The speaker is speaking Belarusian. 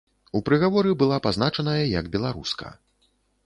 У прыгаворы была пазначаная як беларуска.